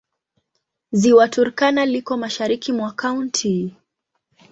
Ziwa Turkana liko mashariki mwa kaunti.